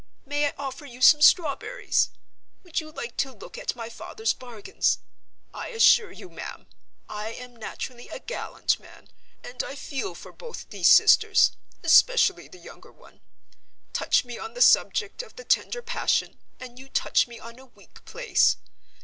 May I offer you some strawberries? Would you like to look at my father's bargains? I assure you, ma'am, I am naturally a gallant man; and I feel for both these sisters—especially the younger one. Touch me on the subject of the tender passion, and you touch me on a weak place.